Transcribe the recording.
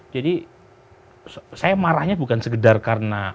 jadi saya marahnya bukan segedar karena